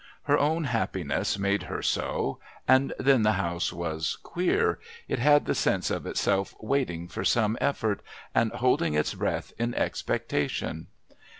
Her own happiness made her so. And then the house was "queer." It had the sense of itself waiting for some effort, and holding its breath in expectation.